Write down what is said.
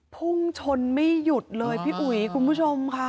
พุ่งชนไม่หยุดเลยพี่อุ๋ยคุณผู้ชมค่ะ